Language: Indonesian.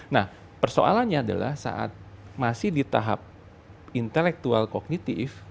nah persoalannya adalah saat masih di tahap intelektual kognitif